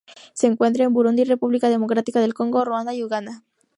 Se encuentra en Burundi, República Democrática del Congo, Ruanda y Uganda.